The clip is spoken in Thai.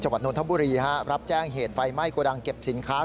จังหวัดนวลธับบุรีรับแจ้งเหตุไฟไหม้กระดังเก็บสินค้า